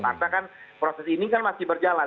karena kan proses ini kan masih berjalan